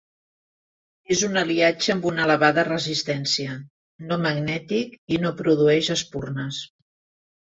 És un aliatge amb una elevada resistència, no magnètic i no produeix espurnes.